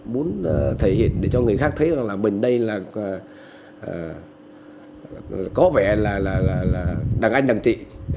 muốn thể hiện cho người khác thấy rằng mình đây có vẻ là đằng anh đằng chị